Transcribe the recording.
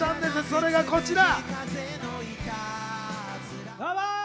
それがこちら。